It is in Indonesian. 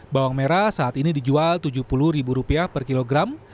bawang merah saat ini dijual rp tujuh puluh per kilogram